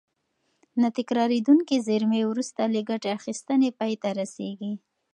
نه تکرارېدونکې زېرمې وروسته له ګټې اخیستنې پای ته رسیږي.